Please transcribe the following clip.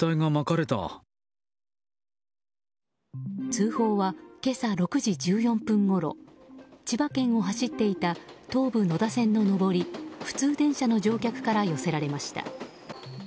通報は、今朝６時１４分ごろ千葉県を走っていた東武野田線の上り普通電車の乗客から寄せられました。